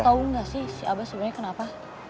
om tau gak sih si abah sebenernya kenapa